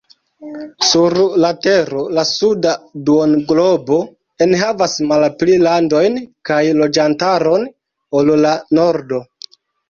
Sur la tero la suda duonglobo enhavas malpli landojn kaj loĝantaron ol la nordo.